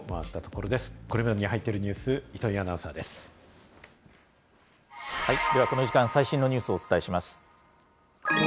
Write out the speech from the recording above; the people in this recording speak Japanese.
これまでに入っているニュース、では、この時間、最新のニュースをお伝えします。